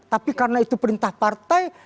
tapi karena itu perintah partai